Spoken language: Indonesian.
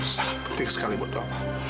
sangat penting sekali buat doa